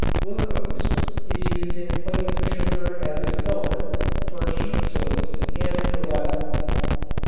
Glucose is used in place of sugar as a filler for cheap soaps and for leather.